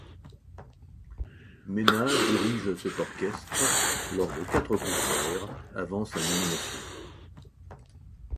Mena dirige cet orchestre lors de quatre concerts, avant sa nomination.